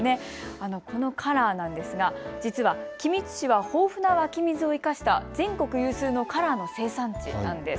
このカラーなんですが実は君津市は豊富な湧き水を生かした全国有数のカラーの生産地なんです。